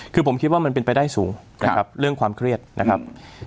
คือผมคิดว่ามันเป็นไปได้สูงนะครับเรื่องความเครียดนะครับ